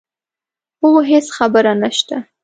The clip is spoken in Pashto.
هو هېڅ خبره نه شته.